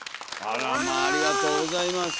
ありがとうございます。